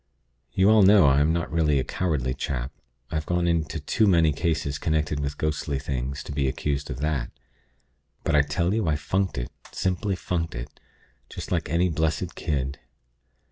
You all know I am not really a cowardly chap. I've gone into too many cases connected with ghostly things, to be accused of that; but I tell you I funked it; simply funked it, just like any blessed kid.